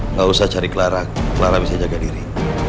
nggak usah cari clara clara bisa jaga diri